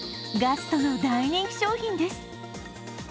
ガストの大人気商品です。